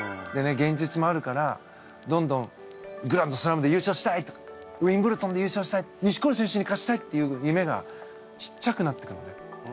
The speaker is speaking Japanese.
現実もあるからどんどんグランドスラムで優勝したいとかウィンブルドンで優勝したい錦織選手に勝ちたいっていう夢がちっちゃくなってくるのね。